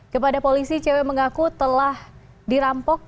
kepada polisi cewek mengaku telah dirampok